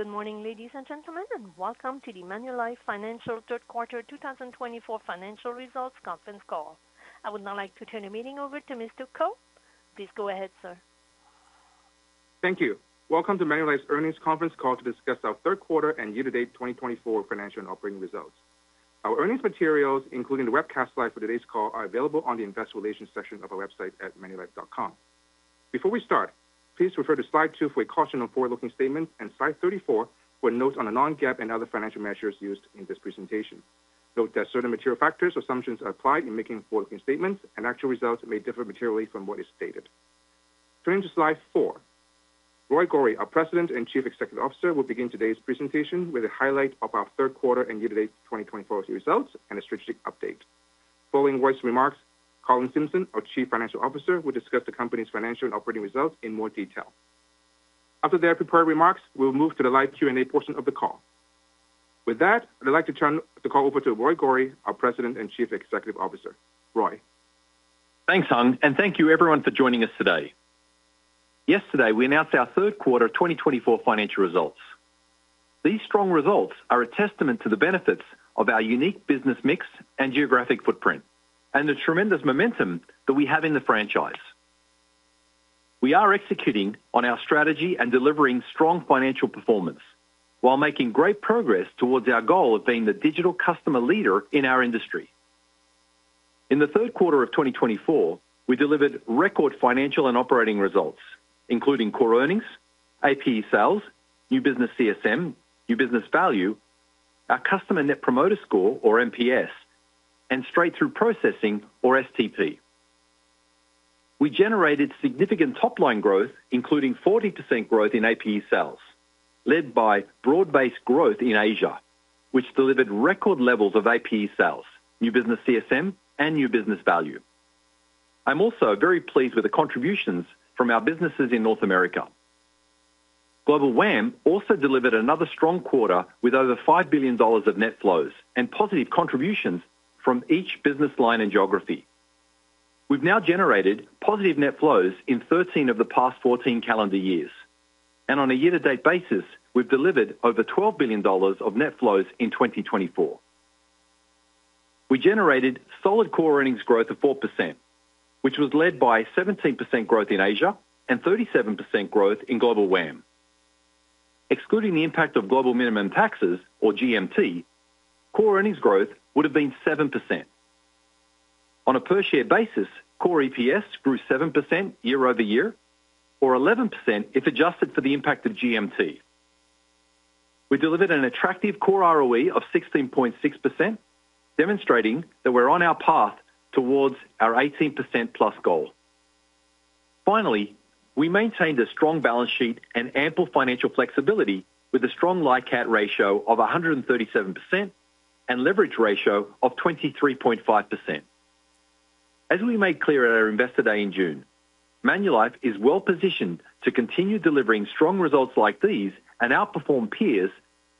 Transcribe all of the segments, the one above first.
Good morning, ladies and gentlemen, and welcome to the Manulife Financial third quarter 2024 financial results conference call. I would now like to turn the meeting over to Mr. Ko. Please go ahead, sir. Thank you. Welcome to Manulife's earnings conference call to discuss our third quarter and year-to-date 2024 financial and operating results. Our earnings materials, including the webcast slides for today's call, are available on the Investor Relations section of our website at manulife.com. Before we start, please refer to slide 2 for a caution on forward-looking statements and slide 34 for notes on the non-GAAP and other financial measures used in this presentation. Note that certain material factors or assumptions are applied in making forward-looking statements, and actual results may differ materially from what is stated. Turning to slide 4, Roy Gori, our President and Chief Executive Officer, will begin today's presentation with a highlight of our third quarter and year-to-date 2024 results and a strategic update. Following Roy's remarks, Colin Simpson, our Chief Financial Officer, will discuss the company's financial and operating results in more detail. After their prepared remarks, we will move to the live Q&A portion of the call. With that, I'd like to turn the call over to Roy Gori, our President and Chief Executive Officer. Roy. Thanks, Hung, and thank you, everyone, for joining us today. Yesterday, we announced our third quarter 2024 financial results. These strong results are a testament to the benefits of our unique business mix and geographic footprint, and the tremendous momentum that we have in the franchise. We are executing on our strategy and delivering strong financial performance while making great progress towards our goal of being the digital customer leader in our industry. In the third quarter of 2024, we delivered record financial and operating results, including core earnings, APE sales, new business CSM, new business value, our Customer Net Promoter Score, or NPS, and straight-through processing, or STP. We generated significant top-line growth, including 40% growth in APE sales, led by broad-based growth in Asia, which delivered record levels of APE sales, new business CSM, and new business value. I'm also very pleased with the contributions from our businesses in North America. Global WAM also delivered another strong quarter with over $5 billion of net flows and positive contributions from each business line and geography. We've now generated positive net flows in 13 of the past 14 calendar years, and on a year-to-date basis, we've delivered over $12 billion of net flows in 2024. We generated solid core earnings growth of 4%, which was led by 17% growth in Asia and 37% growth in Global WAM. Excluding the impact of global minimum taxes, or GMT, core earnings growth would have been 7%. On a per-share basis, core EPS grew 7% year-over-year, or 11% if adjusted for the impact of GMT. We delivered an attractive core ROE of 16.6%, demonstrating that we're on our path towards our 18%-plus goal. Finally, we maintained a strong balance sheet and ample financial flexibility with a strong LICAT ratio of 137% and leverage ratio of 23.5%. As we made clear at our Investor Day in June, Manulife is well-positioned to continue delivering strong results like these and outperform peers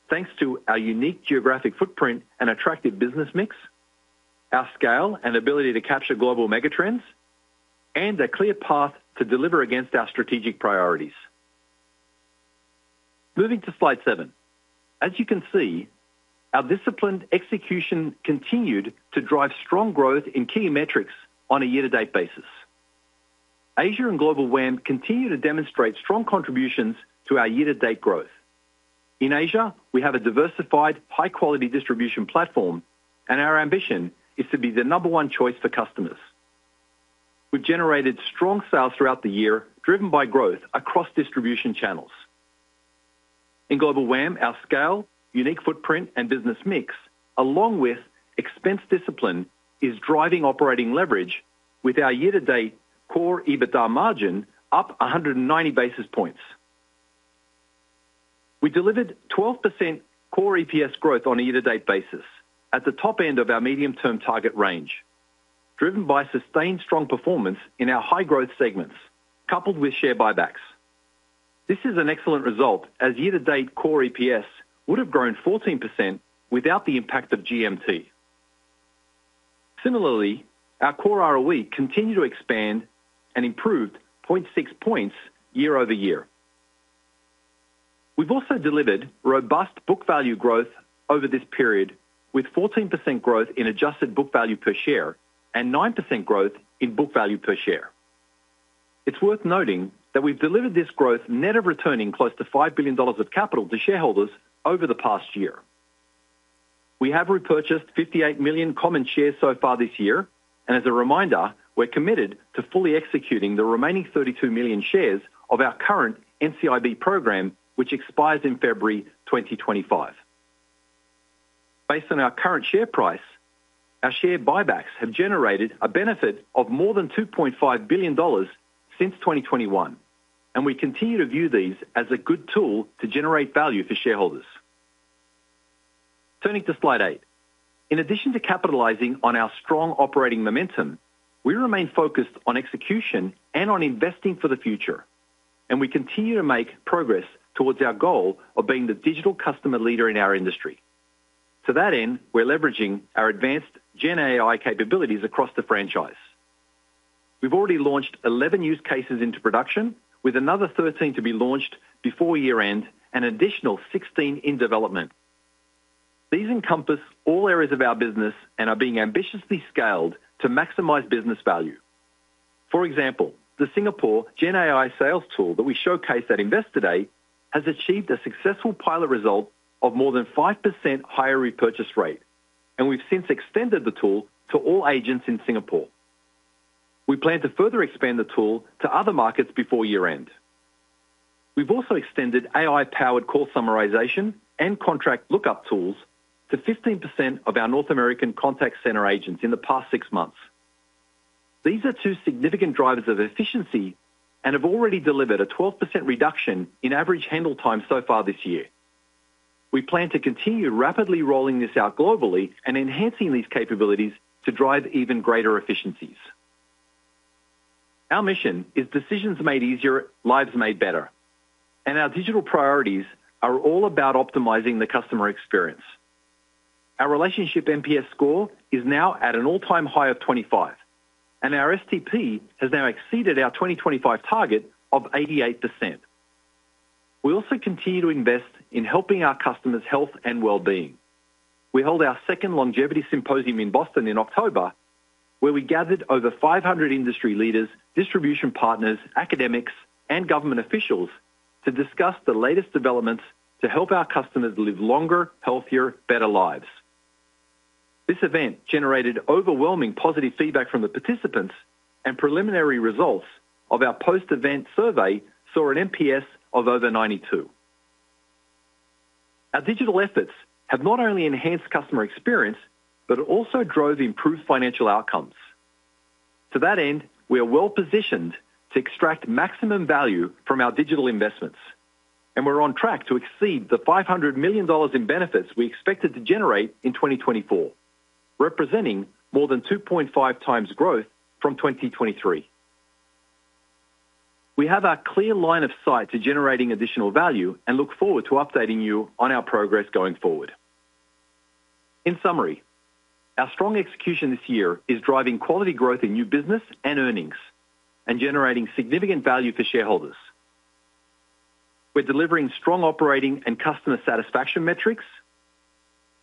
thanks to our unique geographic footprint and attractive business mix, our scale and ability to capture global megatrends, and a clear path to deliver against our strategic priorities. Moving to slide 7, as you can see, our disciplined execution continued to drive strong growth in key metrics on a year-to-date basis. Asia and Global WAM continue to demonstrate strong contributions to our year-to-date growth. In Asia, we have a diversified, high-quality distribution platform, and our ambition is to be the number one choice for customers. We've generated strong sales throughout the year, driven by growth across distribution channels. In Global WAM, our scale, unique footprint, and business mix, along with expense discipline, is driving operating leverage, with our year-to-date core EBITDA margin up 190 basis points. We delivered 12% core EPS growth on a year-to-date basis, at the top end of our medium-term target range, driven by sustained strong performance in our high-growth segments, coupled with share buybacks. This is an excellent result, as year-to-date core EPS would have grown 14% without the impact of GMT. Similarly, our core ROE continued to expand and improved 0.6 points year-over-year. We've also delivered robust book value growth over this period, with 14% growth in adjusted book value per share and 9% growth in book value per share. It's worth noting that we've delivered this growth, net of returning close to $5 billion of capital to shareholders over the past year. We have repurchased 58 million common shares so far this year, and as a reminder, we're committed to fully executing the remaining 32 million shares of our current NCIB program, which expires in February 2025. Based on our current share price, our share buybacks have generated a benefit of more than $2.5 billion since 2021, and we continue to view these as a good tool to generate value for shareholders. Turning to slide 8, in addition to capitalizing on our strong operating momentum, we remain focused on execution and on investing for the future, and we continue to make progress towards our goal of being the digital customer leader in our industry. To that end, we're leveraging our advanced GenAI capabilities across the franchise. We've already launched 11 use cases into production, with another 13 to be launched before year-end and an additional 16 in development. These encompass all areas of our business and are being ambitiously scaled to maximize business value. For example, the Singapore GenAI sales tool that we showcased at Investor Day has achieved a successful pilot result of more than 5% higher repurchase rate, and we've since extended the tool to all agents in Singapore. We plan to further expand the tool to other markets before year-end. We've also extended AI-powered call summarization and contract lookup tools to 15% of our North American contact center agents in the past six months. These are two significant drivers of efficiency and have already delivered a 12% reduction in average handle time so far this year. We plan to continue rapidly rolling this out globally and enhancing these capabilities to drive even greater efficiencies. Our mission is "Decisions made easier, lives made better," and our digital priorities are all about optimizing the customer experience. Our relationship NPS score is now at an all-time high of 25, and our STP has now exceeded our 2025 target of 88%. We also continue to invest in helping our customers' health and well-being. We held our second Longevity Symposium in Boston in October, where we gathered over 500 industry leaders, distribution partners, academics, and government officials to discuss the latest developments to help our customers live longer, healthier, better lives. This event generated overwhelming positive feedback from the participants, and preliminary results of our post-event survey saw an NPS of over 92. Our digital efforts have not only enhanced customer experience but also drove improved financial outcomes. To that end, we are well-positioned to extract maximum value from our digital investments, and we're on track to exceed the $500 million in benefits we expected to generate in 2024, representing more than 2.5 times growth from 2023. We have a clear line of sight to generating additional value and look forward to updating you on our progress going forward. In summary, our strong execution this year is driving quality growth in new business and earnings and generating significant value for shareholders. We're delivering strong operating and customer satisfaction metrics,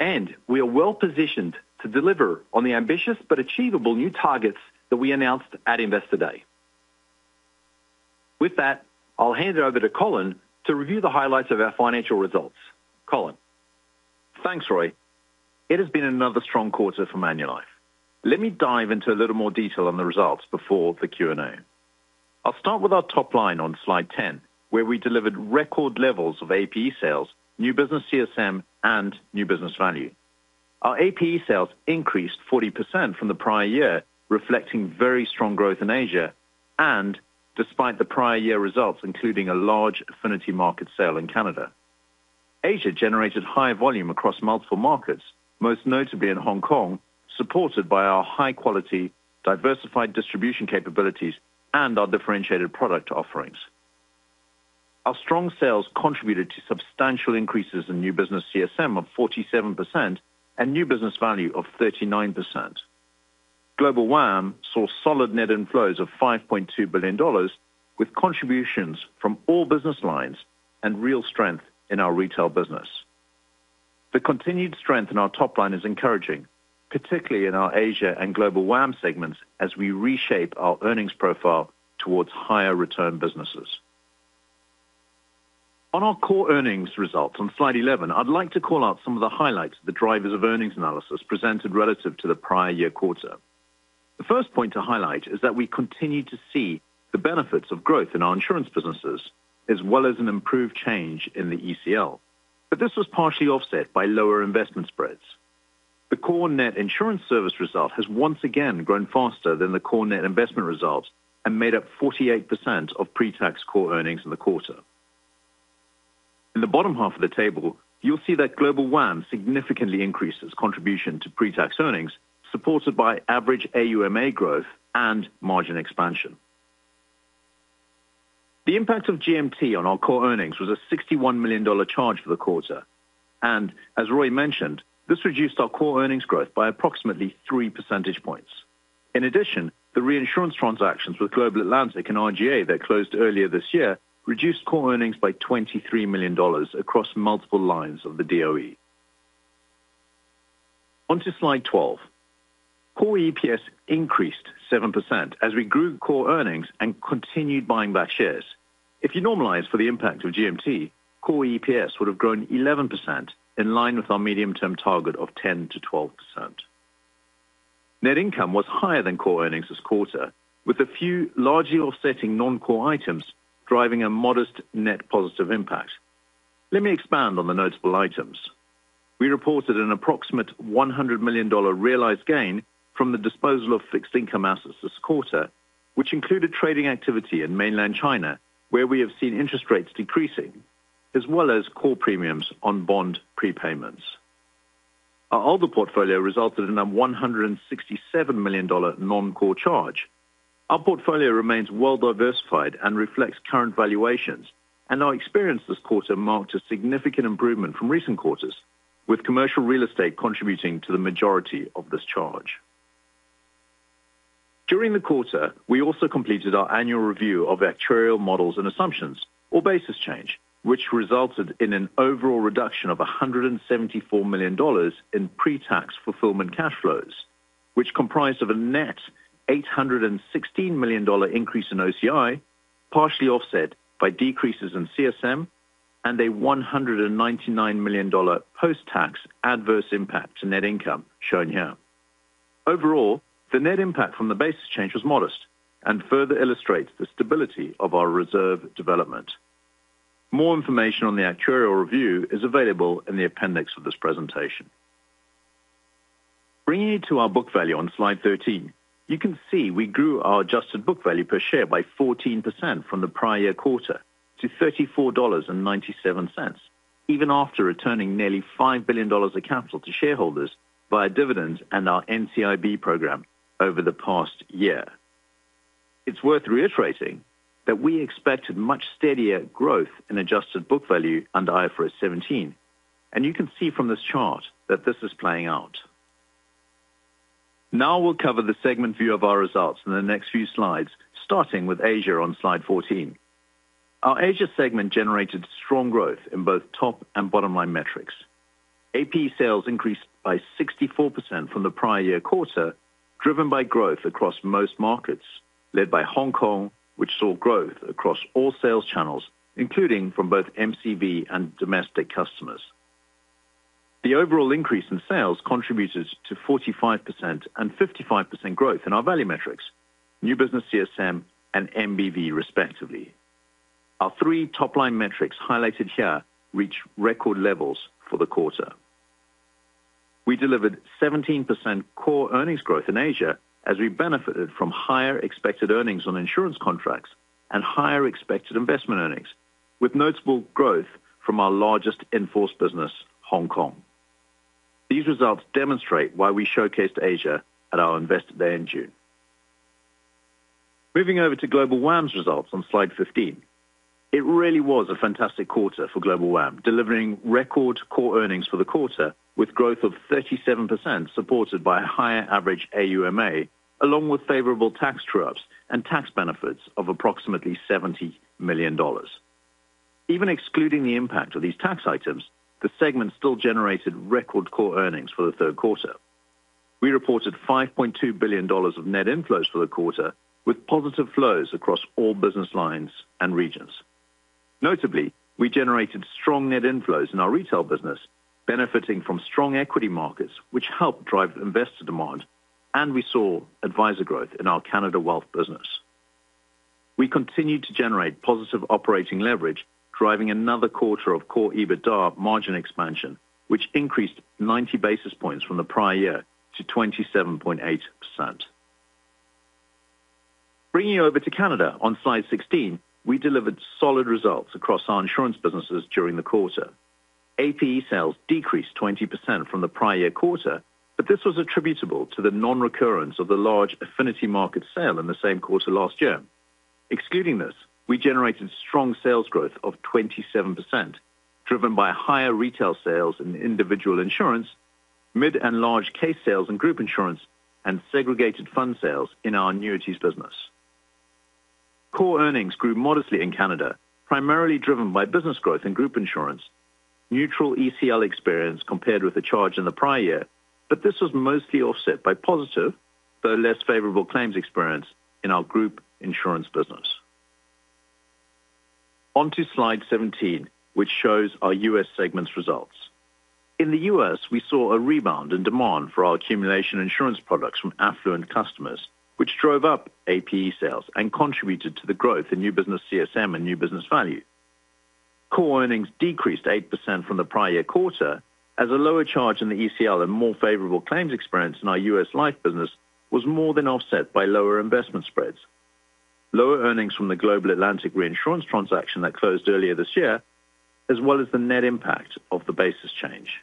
and we are well-positioned to deliver on the ambitious but achievable new targets that we announced at Investor Day. With that, I'll hand it over to Colin to review the highlights of our financial results. Colin. Thanks, Roy. It has been another strong quarter for Manulife. Let me dive into a little more detail on the results before the Q&A. I'll start with our top line on slide 10, where we delivered record levels of APE sales, new business CSM, and new business value. Our APE sales increased 40% from the prior year, reflecting very strong growth in Asia and despite the prior year results, including a large affinity market sale in Canada. Asia generated high volume across multiple markets, most notably in Hong Kong, supported by our high-quality, diversified distribution capabilities and our differentiated product offerings. Our strong sales contributed to substantial increases in new business CSM of 47% and new business value of 39%. Global WAM saw solid net inflows of $5.2 billion, with contributions from all business lines and real strength in our retail business. The continued strength in our top line is encouraging, particularly in our Asia and Global WAM segments, as we reshape our earnings profile towards higher-return businesses. On our core earnings results on slide 11, I'd like to call out some of the highlights of the Drivers of Earnings analysis presented relative to the prior year quarter. The first point to highlight is that we continue to see the benefits of growth in our insurance businesses, as well as an improved change in the ECL, but this was partially offset by lower investment spreads. The core net insurance service result has once again grown faster than the core net investment results and made up 48% of pre-tax core earnings in the quarter. In the bottom half of the table, you'll see that Global WAM significantly increases contribution to pre-tax earnings, supported by average AUMA growth and margin expansion. The impact of GMT on our core earnings was a $61 million charge for the quarter, and as Roy mentioned, this reduced our core earnings growth by approximately 3 percentage points. In addition, the reinsurance transactions with Global Atlantic and RGA that closed earlier this year reduced core earnings by $23 million across multiple lines of the DOE. Onto slide 12, core EPS increased 7% as we grew core earnings and continued buying back shares. If you normalize for the impact of GMT, core EPS would have grown 11% in line with our medium-term target of 10%-12%. Net income was higher than core earnings this quarter, with a few largely offsetting non-core items driving a modest net positive impact. Let me expand on the notable items. We reported an approximate $100 million realized gain from the disposal of fixed income assets this quarter, which included trading activity in Mainland China, where we have seen interest rates decreasing, as well as core premiums on bond prepayments. Our older portfolio resulted in a $167 million non-core charge. Our portfolio remains well-diversified and reflects current valuations, and our experience this quarter marked a significant improvement from recent quarters, with commercial real estate contributing to the majority of this charge. During the quarter, we also completed our annual review of actuarial models and assumptions, or basis change, which resulted in an overall reduction of $174 million in pre-tax fulfillment cash flows, which comprised of a net $816 million increase in OCI, partially offset by decreases in CSM, and a $199 million post-tax adverse impact to net income shown here. Overall, the net impact from the basis change was modest and further illustrates the stability of our reserve development. More information on the actuarial review is available in the appendix of this presentation. Bringing it to our book value on slide 13, you can see we grew our adjusted book value per share by 14% from the prior year quarter to $34.97, even after returning nearly $5 billion of capital to shareholders via dividends and our NCIB program over the past year. It's worth reiterating that we expected much steadier growth in adjusted book value under IFRS 17, and you can see from this chart that this is playing out. Now we'll cover the segment view of our results in the next few slides, starting with Asia on slide 14. Our Asia segment generated strong growth in both top and bottom line metrics. APE sales increased by 64% from the prior year quarter, driven by growth across most markets, led by Hong Kong, which saw growth across all sales channels, including from both MCV and domestic customers. The overall increase in sales contributed to 45% and 55% growth in our value metrics, new business CSM and NBV, respectively. Our three top line metrics highlighted here reached record levels for the quarter. We delivered 17% core earnings growth in Asia as we benefited from higher expected earnings on insurance contracts and higher expected investment earnings, with notable growth from our largest inforce business, Hong Kong. These results demonstrate why we showcased Asia at our Investor Day in June. Moving over to Global WAM's results on slide 15, it really was a fantastic quarter for Global WAM, delivering record core earnings for the quarter, with growth of 37% supported by a higher average AUMA, along with favorable tax trade-offs and tax benefits of approximately $70 million. Even excluding the impact of these tax items, the segment still generated record core earnings for the third quarter. We reported $5.2 billion of net inflows for the quarter, with positive flows across all business lines and regions. Notably, we generated strong net inflows in our retail business, benefiting from strong equity markets, which helped drive investor demand, and we saw advisor growth in our Canada wealth business. We continued to generate positive operating leverage, driving another quarter of core EBITDA margin expansion, which increased 90 basis points from the prior year to 27.8%. Bringing it over to Canada on slide 16, we delivered solid results across our insurance businesses during the quarter. APE sales decreased 20% from the prior year quarter, but this was attributable to the non-recurrence of the large affinity market sale in the same quarter last year. Excluding this, we generated strong sales growth of 27%, driven by higher retail sales in individual insurance, mid and large case sales in group insurance, and segregated fund sales in our annuities business. Core earnings grew modestly in Canada, primarily driven by business growth in group insurance, neutral ECL experience compared with the charge in the prior year, but this was mostly offset by positive, though less favorable claims experience in our group insurance business. Onto slide 17, which shows our U.S. segment's results. In the U.S., we saw a rebound in demand for our accumulation insurance products from affluent customers, which drove up APE sales and contributed to the growth in new business CSM and new business value. Core earnings decreased 8% from the prior year quarter, as a lower charge in the ECL and more favorable claims experience in our U.S. life business was more than offset by lower investment spreads, lower earnings from the Global Atlantic reinsurance transaction that closed earlier this year, as well as the net impact of the basis change.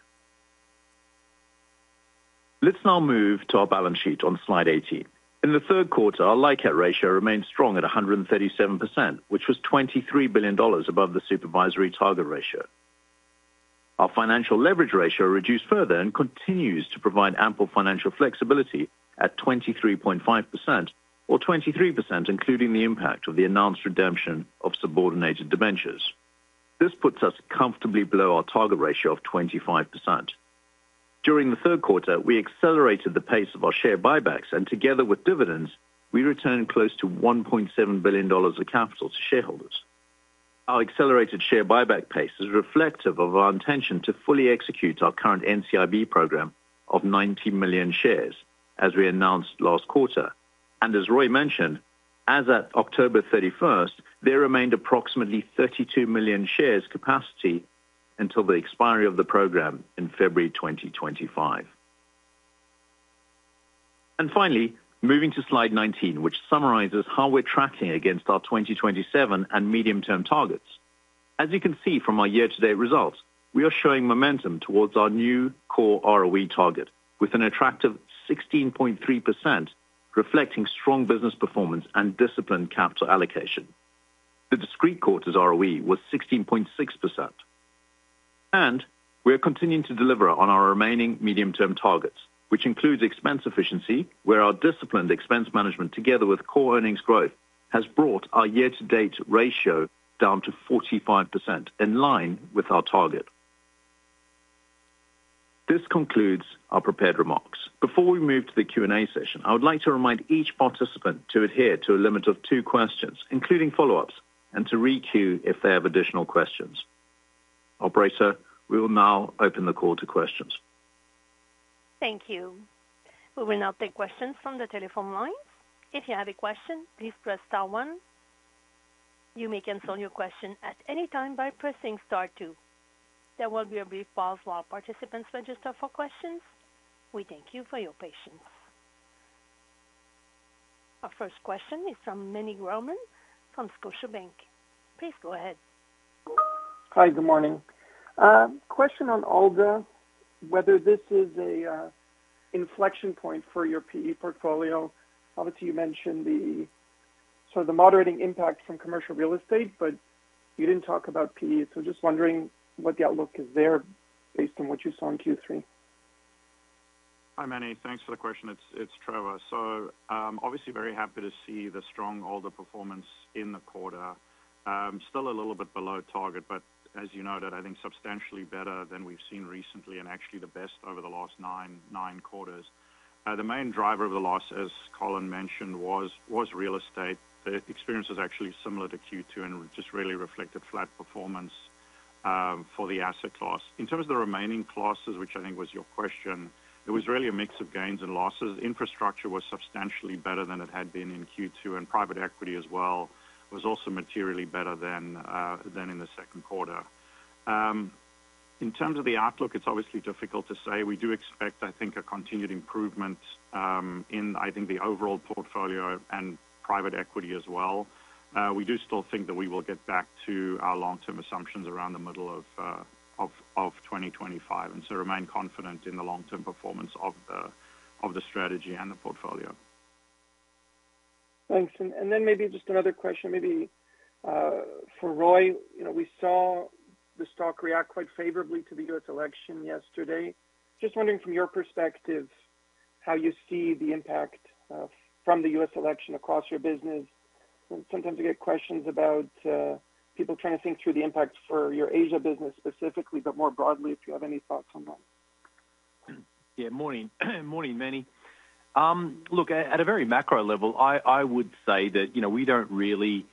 Let's now move to our balance sheet on slide 18. In the third quarter, our LICAT ratio remained strong at 137%, which was $23 billion above the supervisory target ratio. Our financial leverage ratio reduced further and continues to provide ample financial flexibility at 23.5% or 23%, including the impact of the announced redemption of subordinated debentures. This puts us comfortably below our target ratio of 25%. During the third quarter, we accelerated the pace of our share buybacks, and together with dividends, we returned close to $1.7 billion of capital to shareholders. Our accelerated share buyback pace is reflective of our intention to fully execute our current NCIB program of 90 million shares, as we announced last quarter. And as Roy mentioned, as at October 31st, there remained approximately 32 million shares capacity until the expiry of the program in February 2025. And finally, moving to slide 19, which summarizes how we're tracking against our 2027 and medium-term targets. As you can see from our year-to-date results, we are showing momentum towards our new core ROE target, with an attractive 16.3%, reflecting strong business performance and disciplined capital allocation. The discrete quarter's ROE was 16.6%. And we are continuing to deliver on our remaining medium-term targets, which includes expense efficiency, where our disciplined expense management, together with core earnings growth, has brought our year-to-date ratio down to 45%, in line with our target. This concludes our prepared remarks. Before we move to the Q&A session, I would like to remind each participant to adhere to a limit of two questions, including follow-ups, and to re-queue if they have additional questions. Operator, we will now open the call to questions. Thank you. We will now take questions from the telephone line. If you have a question, please press star one. You may cancel your question at any time by pressing star two. There will be a brief pause while participants register for questions. We thank you for your patience. Our first question is from Meny Grauman from Scotiabank. Please go ahead. Hi, good morning. Question on ALDA, whether this is an inflection point for your PE portfolio. Obviously, you mentioned the sort of the moderating impact from commercial real estate, but you didn't talk about PE. So just wondering what the outlook is there based on what you saw in Q3. Hi, Manny. Thanks for the question. It's Trevor. So obviously, very happy to see the strong ALDA performance in the quarter. Still a little bit below target, but as you noted, I think substantially better than we've seen recently and actually the best over the last nine quarters. The main driver of the loss, as Colin mentioned, was real estate. The experience was actually similar to Q2 and just really reflected flat performance for the asset class. In terms of the remaining classes, which I think was your question, it was really a mix of gains and losses. Infrastructure was substantially better than it had been in Q2, and private equity as well was also materially better than in the second quarter. In terms of the outlook, it's obviously difficult to say. We do expect, I think, a continued improvement in, I think, the overall portfolio and private equity as well. We do still think that we will get back to our long-term assumptions around the middle of 2025, and so remain confident in the long-term performance of the strategy and the portfolio. Thanks. And then maybe just another question, maybe for Roy. We saw the stock react quite favorably to the U.S. election yesterday. Just wondering, from your perspective, how you see the impact from the U.S. election across your business. And sometimes we get questions about people trying to think through the impact for your Asia business specifically, but more broadly, if you have any thoughts on that. Yeah, morning, Manny. Look, at a very macro level, I would say that we don't really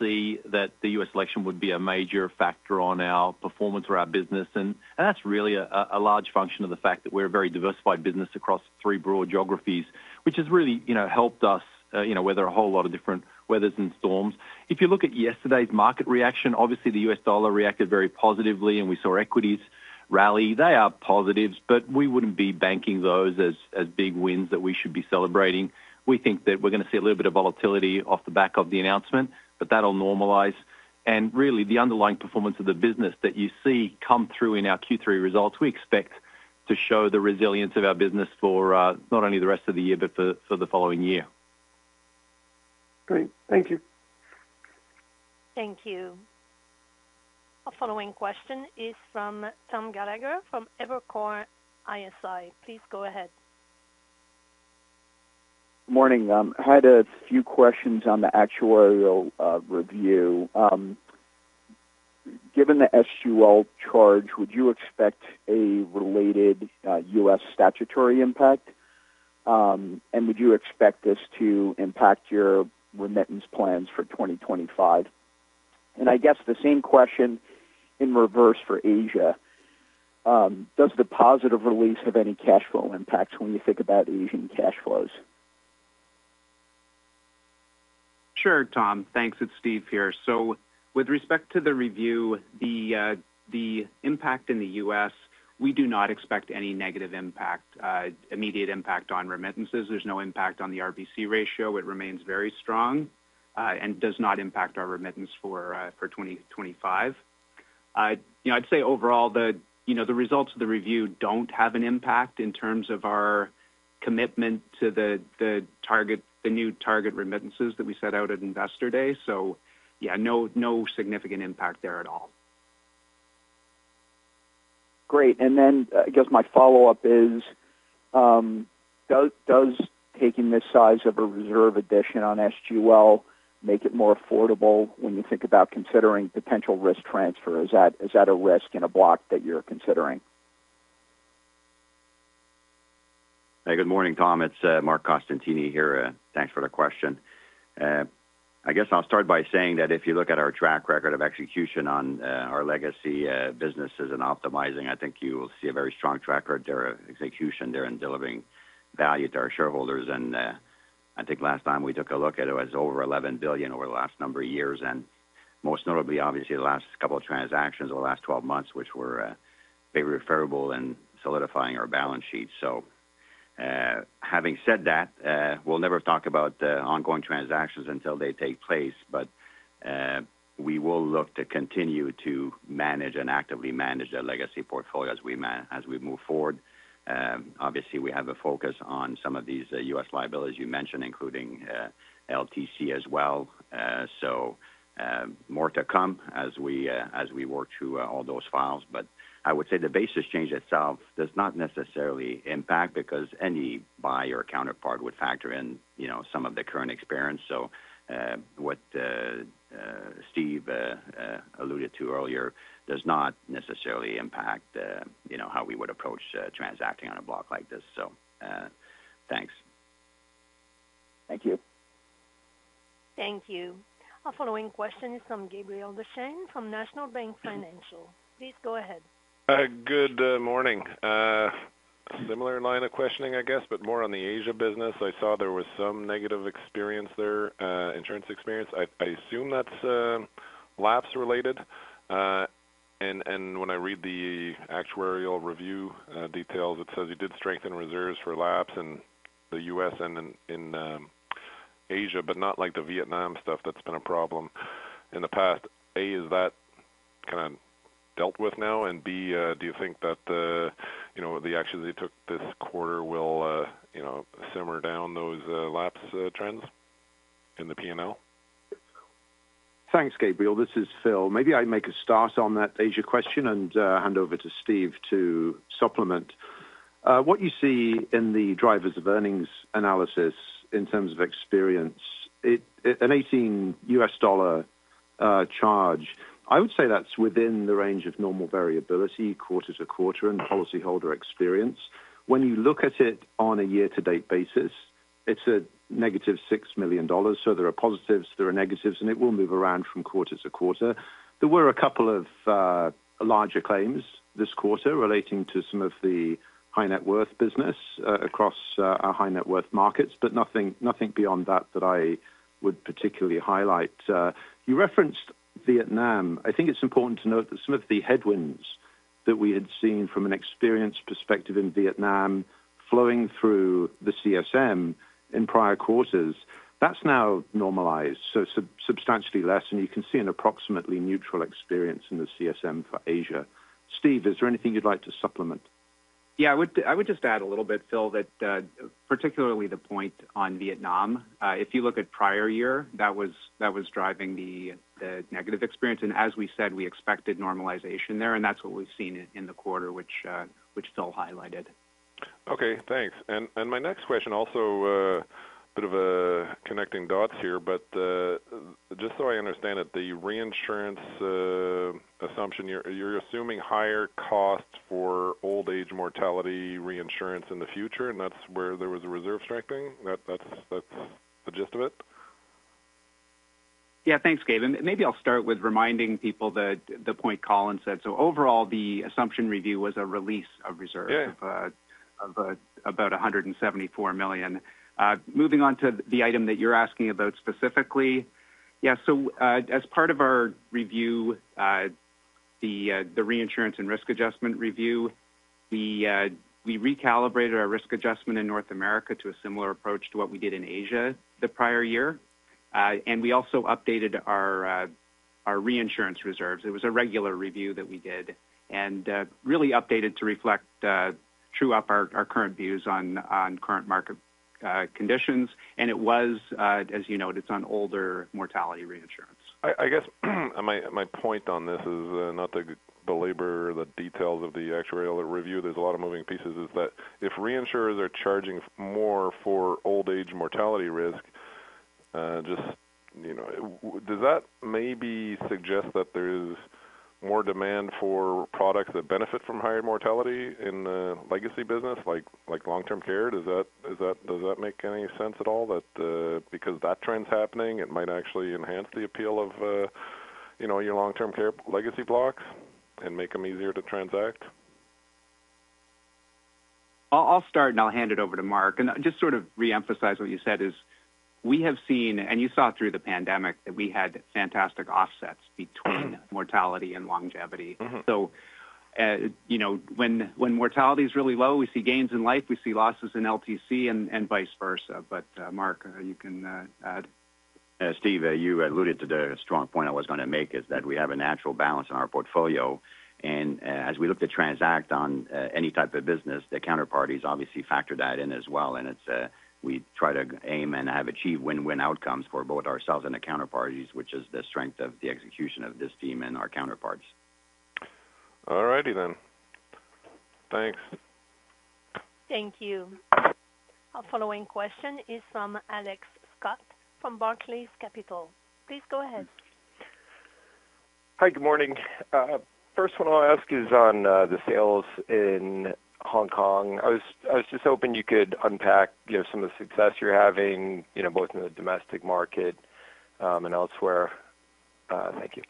see that the U.S. election would be a major factor on our performance or our business, and that's really a large function of the fact that we're a very diversified business across three broad geographies, which has really helped us weather a whole lot of different weathers and storms. If you look at yesterday's market reaction, obviously the U.S. dollar reacted very positively, and we saw equities rally. They are positives, but we wouldn't be banking those as big wins that we should be celebrating. We think that we're going to see a little bit of volatility off the back of the announcement, but that'll normalize. Really, the underlying performance of the business that you see come through in our Q3 results. We expect to show the resilience of our business for not only the rest of the year, but for the following year. Great. Thank you. Thank you. Our following question is from Tom Gallagher from Evercore ISI. Please go ahead. Morning. I had a few questions on the actuarial review. Given the SGUL charge, would you expect a related U.S. statutory impact? And would you expect this to impact your remittance plans for 2025? And I guess the same question in reverse for Asia. Does the positive release have any cash flow impacts when you think about Asian cash flows? Sure, Tom. Thanks. It's Steve here. So with respect to the review, the impact in the U.S., we do not expect any negative impact, immediate impact on remittances. There's no impact on the RBC ratio. It remains very strong and does not impact our remittance for 2025. I'd say overall, the results of the review don't have an impact in terms of our commitment to the new target remittances that we set out at Investor Day. So yeah, no significant impact there at all. Great. And then I guess my follow-up is, does taking this size of a reserve addition on SGUL make it more affordable when you think about considering potential risk transfer? Is that a risk in a block that you're considering? Hey, good morning, Tom. It's Marc Costantini here. Thanks for the question. I guess I'll start by saying that if you look at our track record of execution on our legacy businesses and optimizing, I think you will see a very strong track record there of execution there in delivering value to our shareholders. I think last time we took a look at it, it was over 11 billion over the last number of years. Most notably, obviously, the last couple of transactions over the last 12 months, which were very valuable in solidifying our balance sheet. Having said that, we'll never talk about ongoing transactions until they take place, but we will look to continue to manage and actively manage our legacy portfolio as we move forward. Obviously, we have a focus on some of these U.S. liabilities you mentioned, including LTC as well. So more to come as we work through all those files. But I would say the basis change itself does not necessarily impact because any buyer counterpart would factor in some of the current experience. So what Steve alluded to earlier does not necessarily impact how we would approach transacting on a block like this. So thanks. Thank you. Thank you. Our following question is from Gabriel Dechaine from National Bank Financial. Please go ahead. Good morning. Similar line of questioning, I guess, but more on the Asia business. I saw there was some negative experience there, insurance experience. I assume that's lapses-related, and when I read the actuarial review details, it says you did strengthen reserves for lapses in the U.S. and in Asia, but not like the Vietnam stuff that's been a problem in the past. A, is that kind of dealt with now? And B, do you think that the actions you took this quarter will simmer down those lapses trends in the P&L? Thanks, Gabriel. This is Phil. Maybe I make a start on that Asia question and hand over to Steve to supplement. What you see in the Drivers of Earnings analysis in terms of experience, an $18 charge, I would say that's within the range of normal variability, quarter to quarter, and policyholder experience. When you look at it on a year-to-date basis, it's a negative $6 million. So there are positives, there are negatives, and it will move around from quarter to quarter. There were a couple of larger claims this quarter relating to some of the high-net-worth business across our high-net-worth markets, but nothing beyond that that I would particularly highlight. You referenced Vietnam. I think it's important to note that some of the headwinds that we had seen from an experience perspective in Vietnam flowing through the CSM in prior quarters, that's now normalized, so substantially less, and you can see an approximately neutral experience in the CSM for Asia. Steve, is there anything you'd like to supplement? Yeah, I would just add a little bit, Phil, that particularly the point on Vietnam, if you look at prior year, that was driving the negative experience, as we said, we expected normalization there, and that's what we've seen in the quarter, which Phil highlighted. Okay, thanks. And my next question, also a bit of a connecting dots here, but just so I understand it, the reinsurance assumption, you're assuming higher cost for old-age mortality reinsurance in the future, and that's where there was a reserve strengthening. That's the gist of it? Yeah, thanks, Gabe. And maybe I'll start with reminding people the point Colin said. So overall, the assumption review was a release of reserves of about 174 million. Moving on to the item that you're asking about specifically, yeah, so as part of our review, the reinsurance and risk adjustment review, we recalibrated our risk adjustment in North America to a similar approach to what we did in Asia the prior year. And we also updated our reinsurance reserves. It was a regular review that we did and really updated to reflect true up our current views on current market conditions. And it was, as you noted, it's on older mortality reinsurance. I guess my point on this is not the labor or the details of the actuarial review. There's a lot of moving pieces. Is that if reinsurers are charging more for old-age mortality risk, does that maybe suggest that there is more demand for products that benefit from higher mortality in the legacy business, like long-term care? Does that make any sense at all that because that trend's happening, it might actually enhance the appeal of your long-term care legacy blocks and make them easier to transact? I'll start and I'll hand it over to Mark, and just sort of re-emphasize what you said is we have seen, and you saw through the pandemic, that we had fantastic offsets between mortality and longevity, so when mortality is really low, we see gains in life, we see losses in LTC, and vice versa. But Mark, you can add. Steve, you alluded to the strong point I was going to make is that we have a natural balance in our portfolio. And as we look to transact on any type of business, the counterparties obviously factor that in as well. And we try to aim and have achieved win-win outcomes for both ourselves and the counterparties, which is the strength of the execution of this team and our counterparts. All righty then. Thanks. Thank you. Our following question is from Alex Scott from Barclays Capital. Please go ahead. Hi, good morning. First one I'll ask is on the sales in Hong Kong. I was just hoping you could unpack some of the success you're having both in the domestic market and elsewhere. Thank you.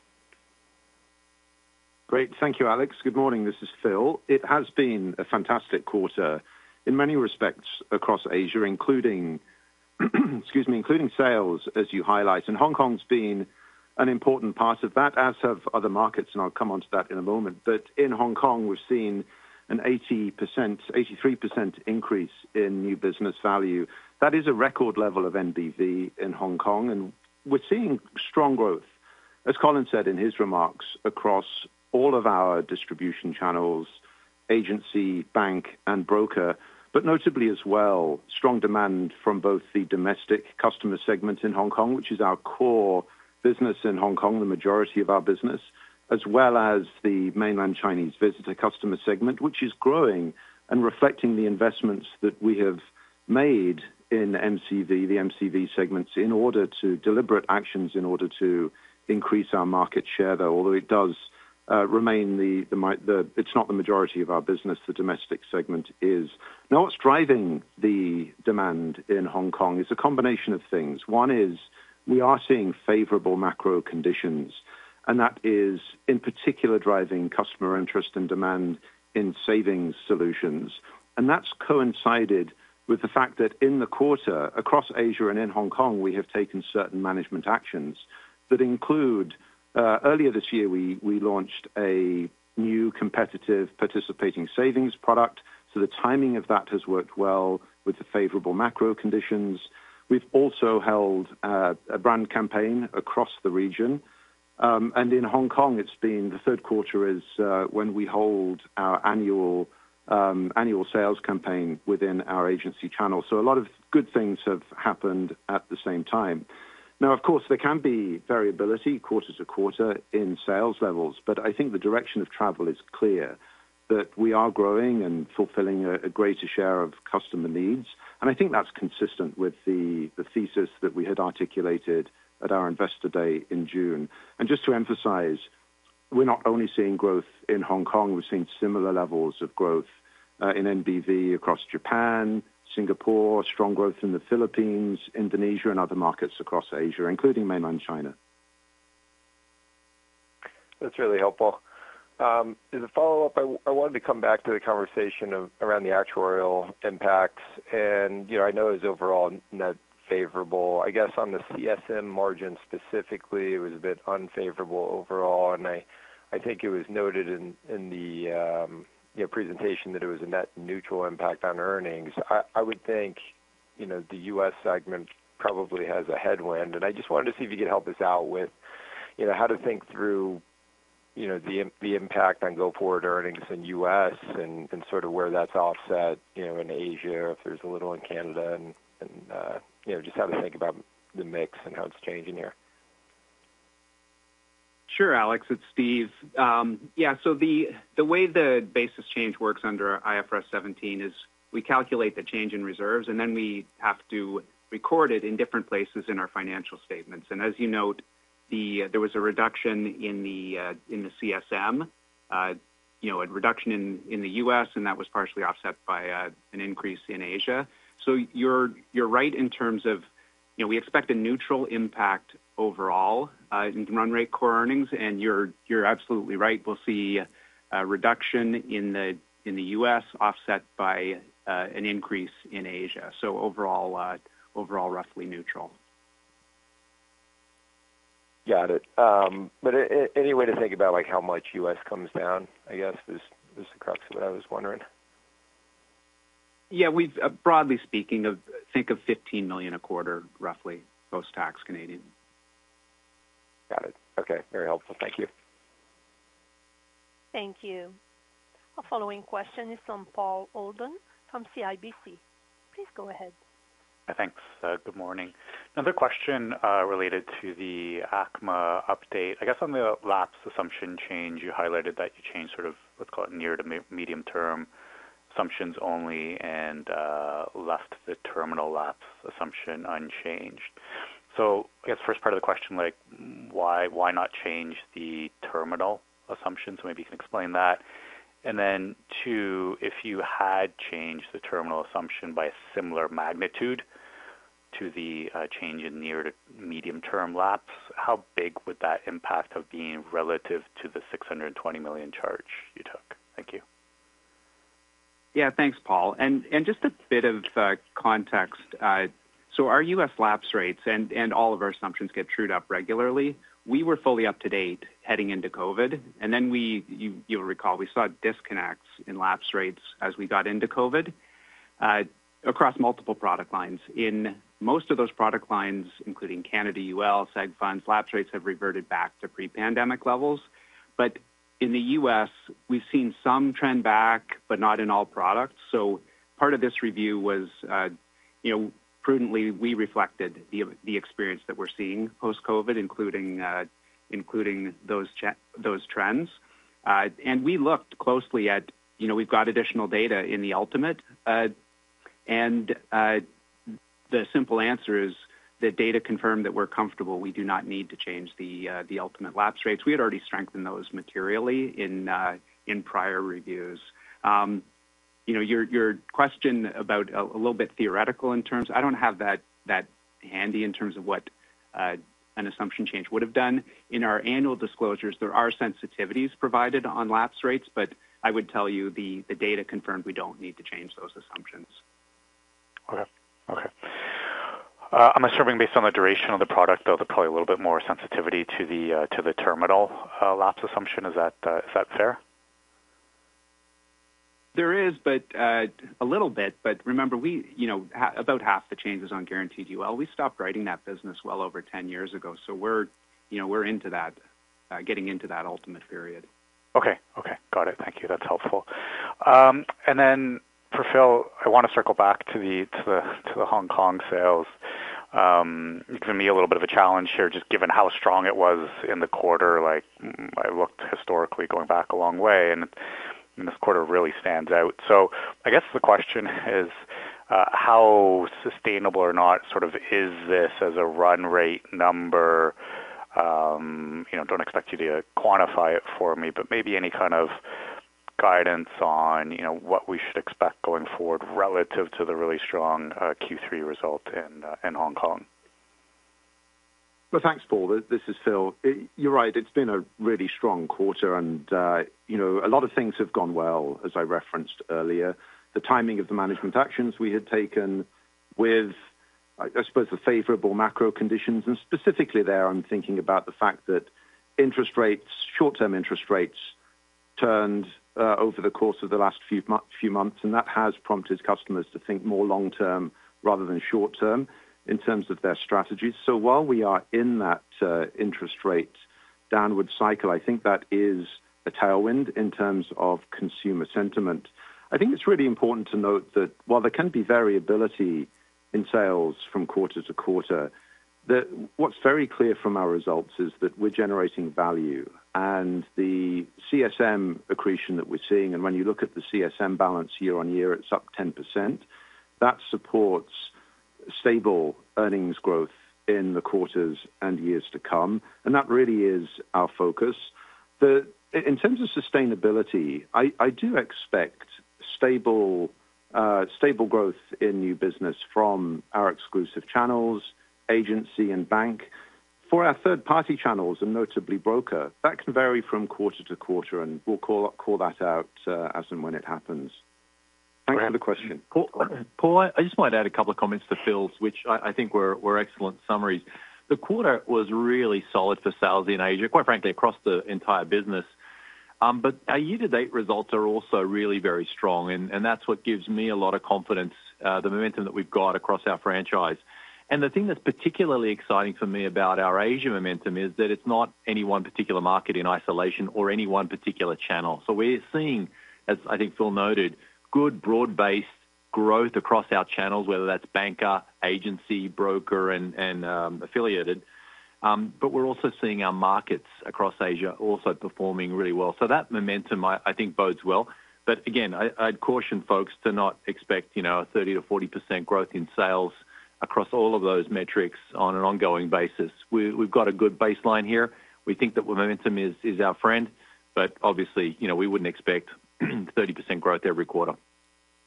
Great. Thank you, Alex. Good morning. This is Phil. It has been a fantastic quarter in many respects across Asia, excuse me, including sales, as you highlight, and Hong Kong's been an important part of that, as have other markets, and I'll come on to that in a moment, but in Hong Kong, we've seen an 83% increase in new business value. That is a record level of NBV in Hong Kong. And we're seeing strong growth, as Colin said in his remarks, across all of our distribution channels, agency, bank, and broker. But notably as well, strong demand from both the domestic customer segment in Hong Kong, which is our core business in Hong Kong, the majority of our business, as well as the Mainland Chinese Visitor customer segment, which is growing and reflecting the investments that we have made in MCV, the MCV segments, in order to deliberate actions in order to increase our market share there, although it does remain it's not the majority of our business, the domestic segment is. Now, what's driving the demand in Hong Kong is a combination of things. One is we are seeing favorable macro conditions, and that is in particular driving customer interest and demand in savings solutions. And that's coincided with the fact that in the quarter across Asia and in Hong Kong, we have taken certain management actions that include, earlier this year, we launched a new competitive participating savings product. So the timing of that has worked well with the favorable macro conditions. We've also held a brand campaign across the region. And in Hong Kong, it's been the third quarter is when we hold our annual sales campaign within our agency channel. So a lot of good things have happened at the same time. Now, of course, there can be variability, quarter to quarter in sales levels, but I think the direction of travel is clear that we are growing and fulfilling a greater share of customer needs. And I think that's consistent with the thesis that we had articulated at our Investor Day in June. Just to emphasize, we're not only seeing growth in Hong Kong. We've seen similar levels of growth in NBV across Japan, Singapore, strong growth in the Philippines, Indonesia, and other markets across Asia, including Mainland China. That's really helpful. As a follow-up, I wanted to come back to the conversation around the actuarial impacts, and I know it was overall net favorable. I guess on the CSM margin specifically, it was a bit unfavorable overall, and I think it was noted in the presentation that it was a net neutral impact on earnings. I would think the U.S. segment probably has a headwind, and I just wanted to see if you could help us out with how to think through the impact on go-forward earnings in the U.S. and sort of where that's offset in Asia, if there's a little in Canada, and just how to think about the mix and how it's changing here? Sure, Alex. It's Steve. Yeah, so the way the basis change works under IFRS 17 is we calculate the change in reserves, and then we have to record it in different places in our financial statements. And as you note, there was a reduction in the CSM, a reduction in the U.S., and that was partially offset by an increase in Asia. So you're right in terms of we expect a neutral impact overall in run rate core earnings. And you're absolutely right. We'll see a reduction in the U.S. offset by an increase in Asia. So overall, roughly neutral. Got it, but any way to think about how much U.S. comes down, I guess, was the crux of what I was wondering. Yeah, broadly speaking, think of 15 million a quarter, roughly, post-tax Canadian. Got it. Okay. Very helpful. Thank you. Thank you. Our following question is from Paul Holden from CIBC. Please go ahead. Thanks. Good morning. Another question related to the ACMA update. I guess on the lapse assumption change, you highlighted that you changed sort of, let's call it, near to medium-term assumptions only and left the terminal lapse assumption unchanged. So I guess first part of the question, why not change the terminal assumption? So maybe you can explain that. And then two, if you had changed the terminal assumption by a similar magnitude to the change in near to medium-term lapse, how big would that impact have been relative to the 620 million charge you took? Thank you. Yeah, thanks, Paul, and just a bit of context, so our U.S. lapse rates and all of our assumptions get trued up regularly. We were fully up to date heading into COVID, and then you'll recall we saw disconnects in lapse rates as we got into COVID across multiple product lines. In most of those product lines, including Canada, UL, SEG Funds, lapse rates have reverted back to pre-pandemic levels, but in the U.S., we've seen some trend back, but not in all products. So part of this review was prudently we reflected the experience that we're seeing post-COVID, including those trends, and we looked closely at we've got additional data in the ultimate. And the simple answer is that data confirm that we're comfortable. We do not need to change the ultimate lapse rates. We had already strengthened those materially in prior reviews. Your question about a little bit theoretical in terms, I don't have that handy in terms of what an assumption change would have done. In our annual disclosures, there are sensitivities provided on lapse rates, but I would tell you the data confirmed we don't need to change those assumptions. Okay. I'm assuming based on the duration of the product, there'll be probably a little bit more sensitivity to the terminal lapse assumption. Is that fair? There is, but a little bit. But remember, about half the changes on guaranteed UL, we stopped writing that business well over 10 years ago. So we're into that, getting into that ultimate period. Okay. Okay. Got it. Thank you. That's helpful. And then for Phil, I want to circle back to the Hong Kong sales. You've given me a little bit of a challenge here, just given how strong it was in the quarter. I looked historically going back a long way, and this quarter really stands out. So I guess the question is, how sustainable or not sort of is this as a run rate number? Don't expect you to quantify it for me, but maybe any kind of guidance on what we should expect going forward relative to the really strong Q3 result in Hong Kong? Well, thanks, Paul. This is Phil. You're right. It's been a really strong quarter, and a lot of things have gone well, as I referenced earlier. The timing of the management actions we had taken with, I suppose, the favorable macro conditions. And specifically there, I'm thinking about the fact that short-term interest rates turned over the course of the last few months, and that has prompted customers to think more long-term rather than short-term in terms of their strategies. So while we are in that interest rate downward cycle, I think that is a tailwind in terms of consumer sentiment. I think it's really important to note that while there can be variability in sales from quarter to quarter, what's very clear from our results is that we're generating value. And the CSM accretion that we're seeing, and when you look at the CSM balance year on year, it's up 10%. That supports stable earnings growth in the quarters and years to come. And that really is our focus. In terms of sustainability, I do expect stable growth in new business from our exclusive channels, agency, and bank. For our third-party channels, and notably broker, that can vary from quarter to quarter, and we'll call that out as and when it happens. Thanks for the question. Paul, I just wanted to add a couple of comments to Phil's, which I think were excellent summaries. The quarter was really solid for sales in Asia, quite frankly, across the entire business. But our year-to-date results are also really very strong, and that's what gives me a lot of confidence, the momentum that we've got across our franchise. And the thing that's particularly exciting for me about our Asia momentum is that it's not any one particular market in isolation or any one particular channel. So we're seeing, as I think Phil noted, good broad-based growth across our channels, whether that's banker, agency, broker, and affiliated. But we're also seeing our markets across Asia also performing really well. So that momentum, I think, bodes well. But again, I'd caution folks to not expect a 30%-40% growth in sales across all of those metrics on an ongoing basis. We've got a good baseline here. We think that momentum is our friend, but obviously, we wouldn't expect 30% growth every quarter.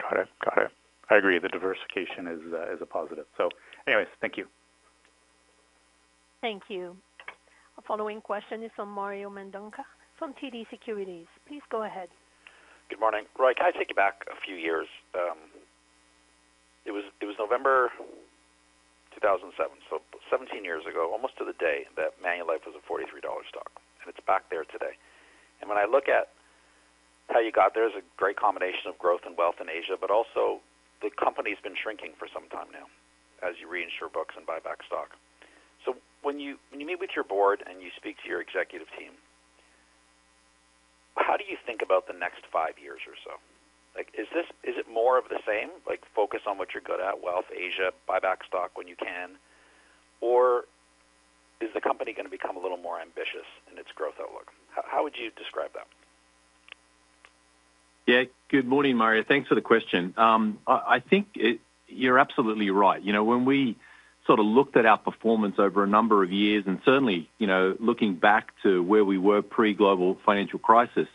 Got it. Got it. I agree. The diversification is a positive. So anyways, thank you. Thank you. Our following question is from Mario Mendonca from TD Securities. Please go ahead. Good morning. Roy, can I take you back a few years? It was November 2007, so 17 years ago, almost to the day that Manulife was a C$43 stock. And it's back there today. And when I look at how you got there, it's a great combination of growth and wealth in Asia, but also the company's been shrinking for some time now as you reinsure books and buy back stock. So when you meet with your board and you speak to your executive team, how do you think about the next five years or so? Is it more of the same, focus on what you're good at, wealth, Asia, buy back stock when you can, or is the company going to become a little more ambitious in its growth outlook? How would you describe that? Yeah. Good morning, Mario. Thanks for the question. I think you're absolutely right. When we sort of looked at our performance over a number of years, and certainly looking back to where we were pre-global financial crisis,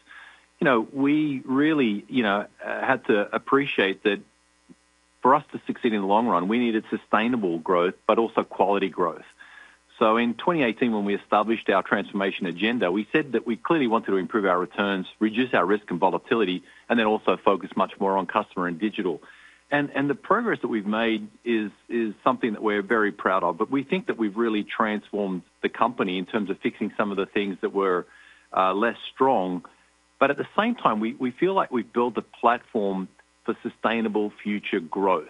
we really had to appreciate that for us to succeed in the long run, we needed sustainable growth, but also quality growth. So in 2018, when we established our transformation agenda, we said that we clearly wanted to improve our returns, reduce our risk and volatility, and then also focus much more on customer and digital. And the progress that we've made is something that we're very proud of. But we think that we've really transformed the company in terms of fixing some of the things that were less strong. But at the same time, we feel like we've built the platform for sustainable future growth.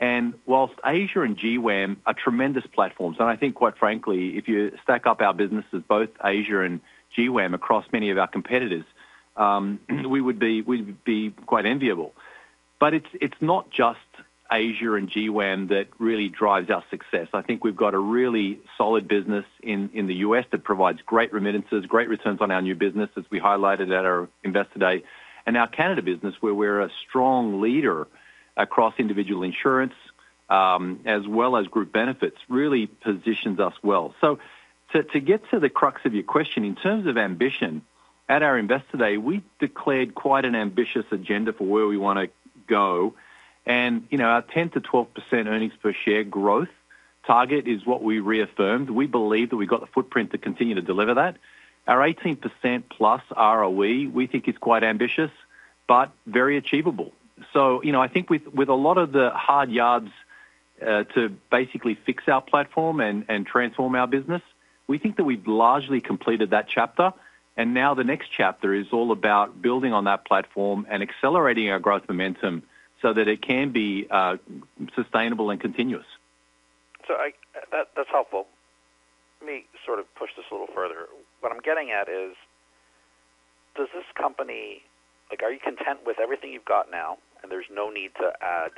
And while Asia and GWAM are tremendous platforms, and I think, quite frankly, if you stack up our businesses, both Asia and GWAM, across many of our competitors, we would be quite enviable. But it's not just Asia and GWAM that really drives our success. I think we've got a really solid business in the U.S. that provides great remittances, great returns on our new business, as we highlighted at our Investor Day, and our Canada business, where we're a strong leader across individual insurance as well as group benefits, really positions us well. So to get to the crux of your question, in terms of ambition, at our Investor Day, we declared quite an ambitious agenda for where we want to go. And our 10%-12% earnings per share growth target is what we reaffirmed. We believe that we've got the footprint to continue to deliver that. Our 18% plus ROE, we think, is quite ambitious, but very achievable. So I think with a lot of the hard yards to basically fix our platform and transform our business, we think that we've largely completed that chapter. And now the next chapter is all about building on that platform and accelerating our growth momentum so that it can be sustainable and continuous. So that's helpful. Let me sort of push this a little further. What I'm getting at is, does this company, are you content with everything you've got now, and there's no need to add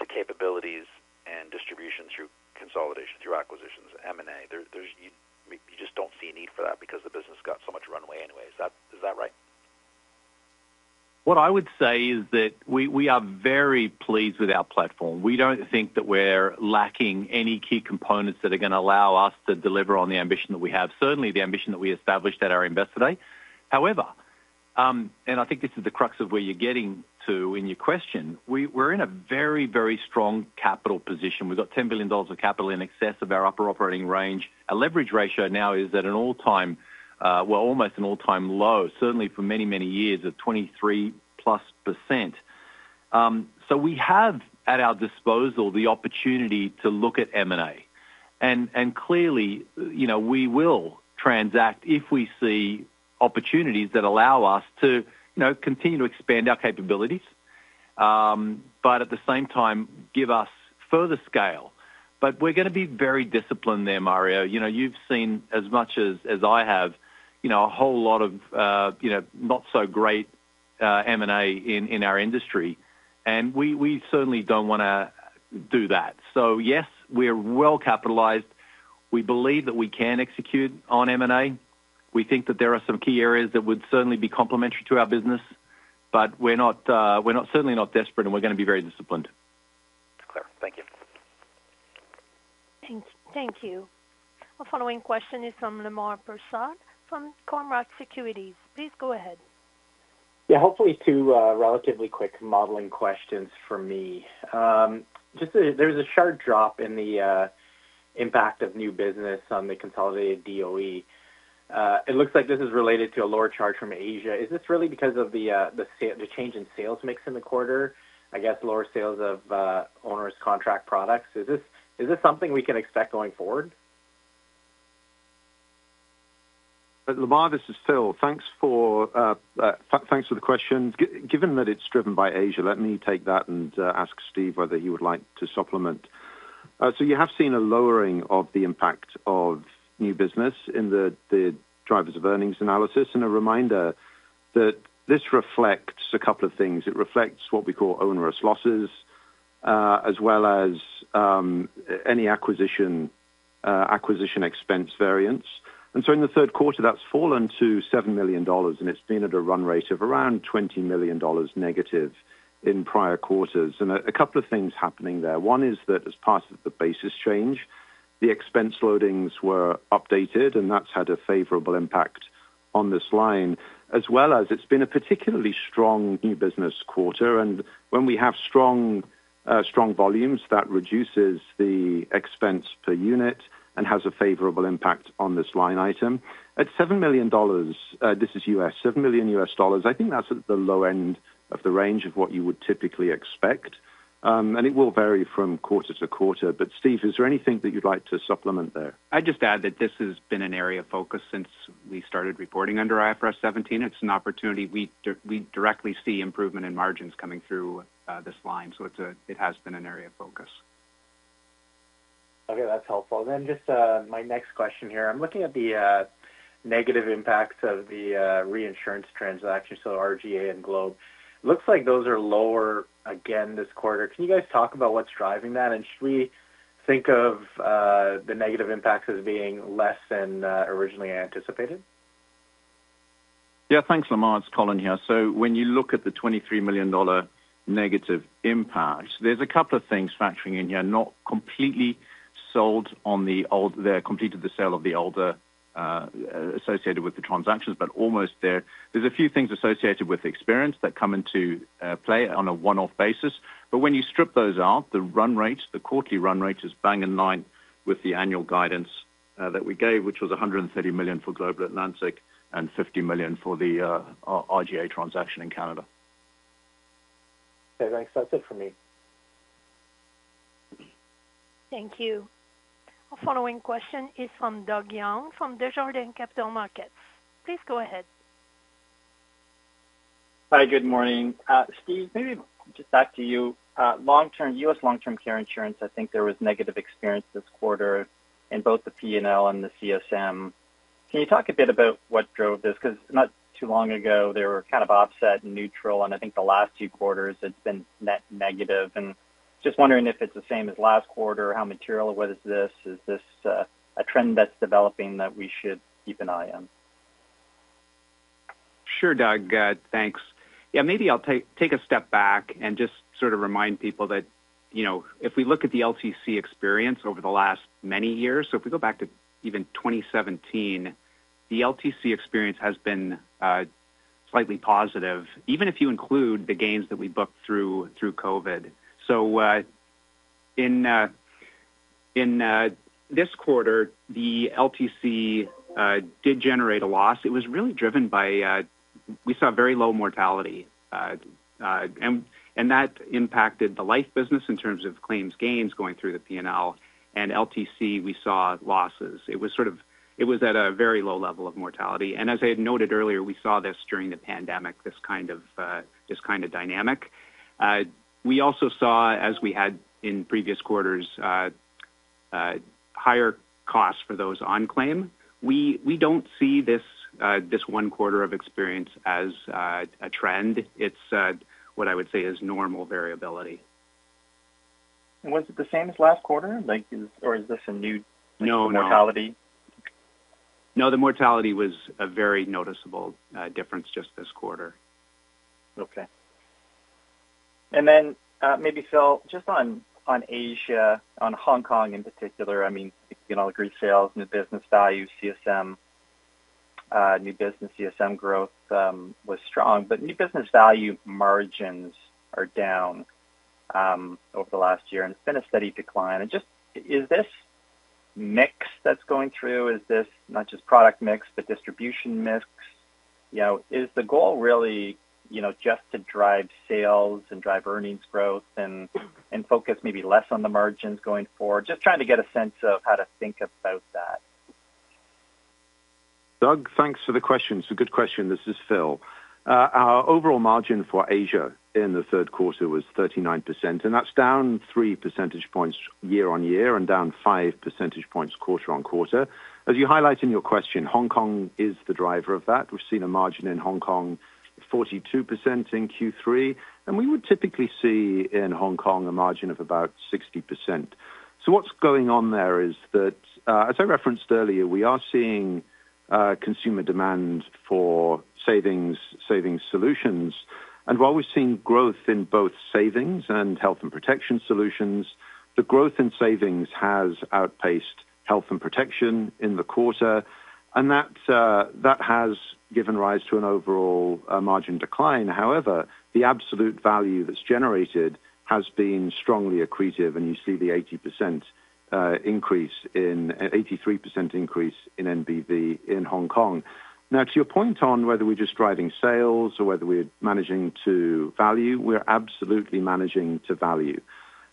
to capabilities and distribution through consolidation, through acquisitions, M&A? You just don't see a need for that because the business got so much runway anyway. Is that right? What I would say is that we are very pleased with our platform. We don't think that we're lacking any key components that are going to allow us to deliver on the ambition that we have, certainly the ambition that we established at our Investor Day. However, and I think this is the crux of where you're getting to in your question, we're in a very, very strong capital position. We've got C$10 billion of capital in excess of our upper operating range. Our leverage ratio now is at an all-time, well, almost an all-time low, certainly for many, many years at 23 plus %. So we have at our disposal the opportunity to look at M&A. And clearly, we will transact if we see opportunities that allow us to continue to expand our capabilities, but at the same time, give us further scale. But we're going to be very disciplined there, Mario. You've seen, as much as I have, a whole lot of not-so-great M&A in our industry, and we certainly don't want to do that. So yes, we're well capitalized. We believe that we can execute on M&A. We think that there are some key areas that would certainly be complementary to our business, but we're certainly not desperate, and we're going to be very disciplined. That's clear. Thank you. Thank you. Our following question is from Lemar Persaud from Cormark Securities. Please go ahead. Yeah. Hopefully, two relatively quick modeling questions for me. There was a sharp drop in the impact of new business on the consolidated DOE. It looks like this is related to a lower charge from Asia. Is this really because of the change in sales mix in the quarter? I guess lower sales of onerous contract products. Is this something we can expect going forward? Lemar, this is Phil. Thanks for the question. Given that it's driven by Asia, let me take that and ask Steve whether he would like to supplement. So you have seen a lowering of the impact of new business in the Drivers of Earnings analysis. And a reminder that this reflects a couple of things. It reflects what we call onerous losses, as well as any acquisition expense variance. And so in the third quarter, that's fallen to 7 million dollars, and it's been at a run rate of around 20 million dollars negative in prior quarters. And a couple of things happening there. One is that as part of the basis change, the expense loadings were updated, and that's had a favorable impact on this line, as well as it's been a particularly strong new business quarter. And when we have strong volumes, that reduces the expense per unit and has a favorable impact on this line item. At $7 million, this is U.S., $7 million U.S. dollars. I think that's at the low end of the range of what you would typically expect. And it will vary from quarter to quarter. But Steve, is there anything that you'd like to supplement there? I'd just add that this has been an area of focus since we started reporting under IFRS 17. It's an opportunity. We directly see improvement in margins coming through this line. So it has been an area of focus. Okay. That's helpful. And then just my next question here. I'm looking at the negative impacts of the reinsurance transaction, so RGA and Global. Looks like those are lower again this quarter. Can you guys talk about what's driving that? And should we think of the negative impacts as being less than originally anticipated? Yeah. Thanks, Lemar. It's Colin here. So when you look at the 23 million dollar negative impact, there's a couple of things factoring in here. Not completely sold on the old. They're close to completing the sale of the older assets associated with the transactions, but almost there. There's a few things associated with experience that come into play on a one-off basis. But when you strip those out, the run rate, the quarterly run rate is bang in line with the annual guidance that we gave, which was 130 million for Global Atlantic and 50 million for the RGA transaction in Canada. Okay. Thanks. That's it for me. Thank you. Our following question is from Doug Young from Desjardins Capital Markets. Please go ahead. Hi. Good morning. Steve, maybe just back to you. U.S. long-term care insurance, I think there was negative experience this quarter in both the P&L and the CSM. Can you talk a bit about what drove this? Because not too long ago, they were kind of offset and neutral, and I think the last few quarters, it's been net negative. And just wondering if it's the same as last quarter, how material was this? Is this a trend that's developing that we should keep an eye on? Sure, Doug. Thanks. Yeah. Maybe I'll take a step back and just sort of remind people that if we look at the LTC experience over the last many years, so if we go back to even 2017, the LTC experience has been slightly positive, even if you include the gains that we booked through COVID, so in this quarter, the LTC did generate a loss. It was really driven by we saw very low mortality, and that impacted the life business in terms of claims gains going through the P&L, and LTC, we saw losses. It was at a very low level of mortality, and as I had noted earlier, we saw this during the pandemic, this kind of dynamic. We also saw, as we had in previous quarters, higher costs for those on claim. We don't see this one quarter of experience as a trend. It's what I would say is normal variability. Was it the same as last quarter? Is this a new mortality? No. No. The mortality was a very noticeable difference just this quarter. Okay, and then maybe, Phil, just on Asia, on Hong Kong in particular, I mean, you can all agree, sales, new business value, CSM, new business, CSM growth was strong, but new business value margins are down over the last year, and it's been a steady decline, and just is this mix that's going through, is this not just product mix, but distribution mix? Is the goal really just to drive sales and drive earnings growth and focus maybe less on the margins going forward? Just trying to get a sense of how to think about that. Doug, thanks for the question. It's a good question. This is Phil. Our overall margin for Asia in the third quarter was 39%. And that's down 3 percentage points year on year and down 5 percentage points quarter on quarter. As you highlight in your question, Hong Kong is the driver of that. We've seen a margin in Hong Kong of 42% in Q3. And we would typically see in Hong Kong a margin of about 60%. So what's going on there is that, as I referenced earlier, we are seeing consumer demand for savings solutions. And while we've seen growth in both savings and health and protection solutions, the growth in savings has outpaced health and protection in the quarter. And that has given rise to an overall margin decline. However, the absolute value that's generated has been strongly accretive. And you see an 80% increase, an 83% increase in NBV in Hong Kong. Now, to your point on whether we're just driving sales or whether we're managing to value, we're absolutely managing to value.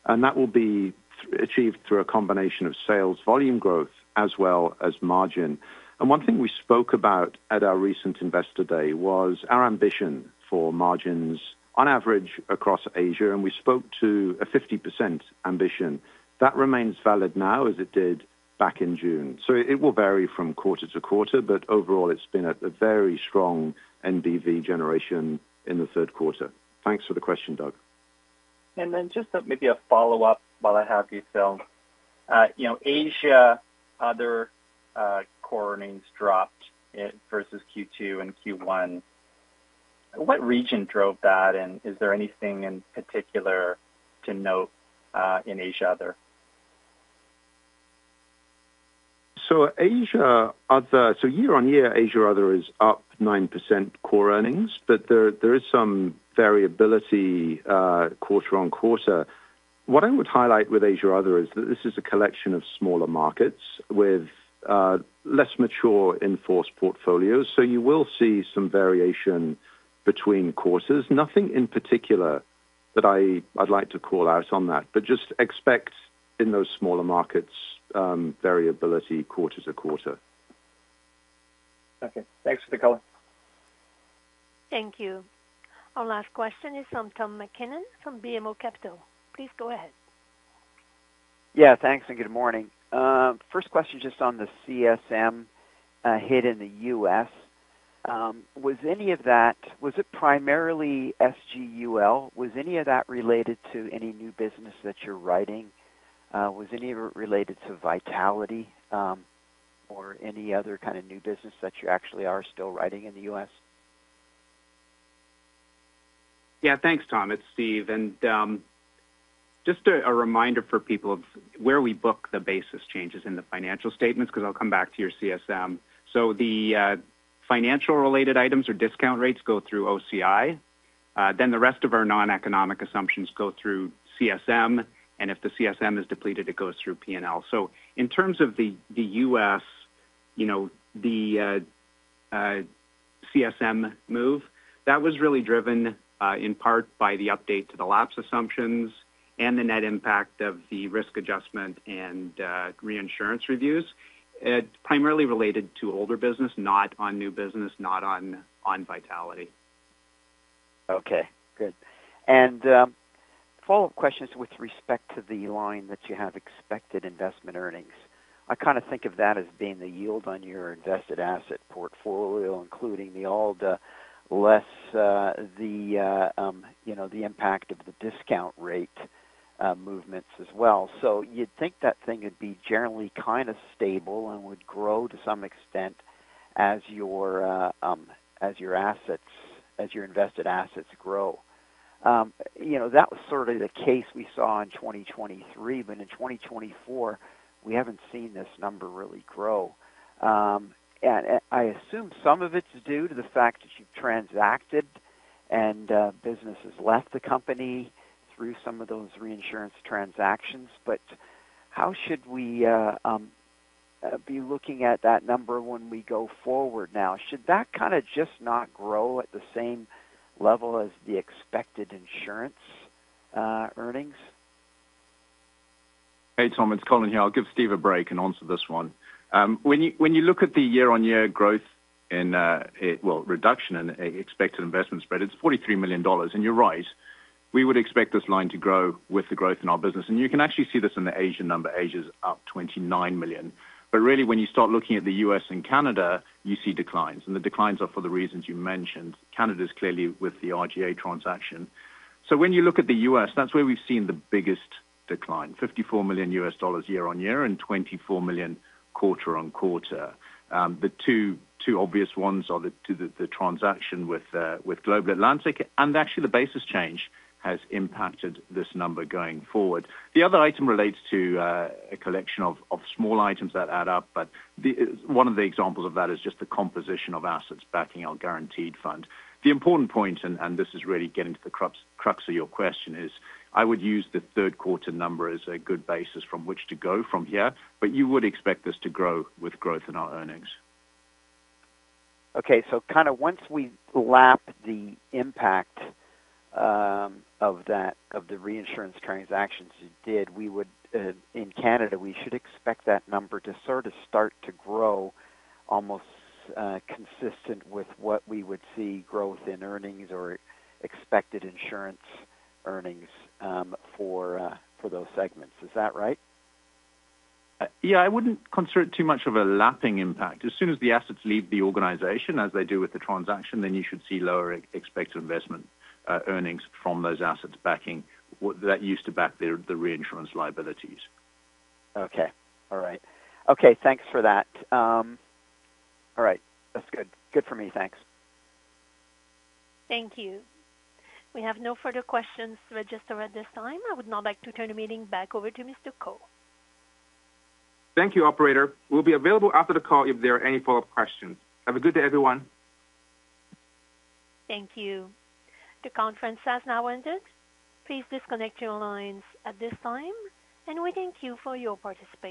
And that will be achieved through a combination of sales volume growth as well as margin. And one thing we spoke about at our recent Investor Day was our ambition for margins on average across Asia. And we spoke to a 50% ambition. That remains valid now as it did back in June. So it will vary from quarter to quarter, but overall, it's been a very strong NBV generation in the third quarter. Thanks for the question, Doug. And then just maybe a follow-up while I have you, Phil. Asia Other quarter earnings dropped versus Q2 and Q1. What region drove that? And is there anything in particular to note in Asia Other? Year on year, Asia Other is up 9% core earnings, but there is some variability quarter on quarter. What I would highlight with Asia Other is that this is a collection of smaller markets with less mature inforce portfolios. You will see some variation between quarters. Nothing in particular that I'd like to call out on that, but just expect in those smaller markets variability quarter to quarter. Okay. Thanks for the color. Thank you. Our last question is from Tom McKinnon from BMO Capital. Please go ahead. Yeah. Thanks. And good morning. First question just on the CSM hit in the U.S.. Was any of that? Was it primarily SGUL? Was any of that related to any new business that you're writing? Was any of it related to Vitality or any other kind of new business that you actually are still writing in the U.S.? Yeah. Thanks, Tom. It's Steve. And just a reminder for people of where we book the basis changes in the financial statements because I'll come back to your CSM. So the financial-related items or discount rates go through OCI. Then the rest of our non-economic assumptions go through CSM. And if the CSM is depleted, it goes through P&L. So in terms of the U.S., the CSM move, that was really driven in part by the update to the lapse assumptions and the net impact of the risk adjustment and reinsurance reviews. It's primarily related to older business, not on new business, not on Vitality. Okay. Good. And follow-up questions with respect to the line that you have expected investment earnings. I kind of think of that as being the yield on your invested asset portfolio, including the old, less the impact of the discount rate movements as well. So you'd think that thing would be generally kind of stable and would grow to some extent as your invested assets grow. That was sort of the case we saw in 2023. But in 2024, we haven't seen this number really grow. And I assume some of it's due to the fact that you've transacted, and business has left the company through some of those reinsurance transactions. But how should we be looking at that number when we go forward now? Should that kind of just not grow at the same level as the expected insurance earnings? Hey, Tom. It's Colin here. I'll give Steve a break and answer this one. When you look at the year-on-year growth in, well, reduction in expected investment spread, it's $43 million. And you're right. We would expect this line to grow with the growth in our business. And you can actually see this in the Asia number. Asia's up $29 million. But really, when you start looking at the U.S. and Canada, you see declines. And the declines are for the reasons you mentioned. Canada is clearly with the RGA transaction. So when you look at the U.S., that's where we've seen the biggest decline, $54 million year on year and $24 million quarter on quarter. The two obvious ones are the transaction with Global Atlantic. And actually, the basis change has impacted this number going forward. The other item relates to a collection of small items that add up. But one of the examples of that is just the composition of assets backing our guaranteed fund. The important point, and this is really getting to the crux of your question, is I would use the third quarter number as a good basis from which to go from here. But you would expect this to grow with growth in our earnings. Okay. So kind of once we lap the impact of the reinsurance transactions you did, in Canada, we should expect that number to sort of start to grow almost consistent with what we would see growth in earnings or expected insurance earnings for those segments. Is that right? Yeah. I wouldn't consider it too much of a lapping impact. As soon as the assets leave the organization, as they do with the transaction, then you should see lower expected investment earnings from those assets backing that used to back the reinsurance liabilities. Okay. All right. Okay. Thanks for that. All right. That's good. Good for me. Thanks. Thank you. We have no further questions registered at this time. I would now like to turn the meeting back over to Mr. Ko. Thank you, Operator. We'll be available after the call if there are any follow-up questions. Have a good day, everyone. Thank you. The conference has now ended. Please disconnect your lines at this time, and we thank you for your participation.